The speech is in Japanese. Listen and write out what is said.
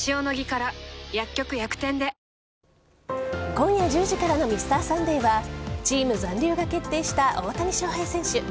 今夜１０時からの「Ｍｒ．サンデー」はチーム残留が決定した大谷翔平選手。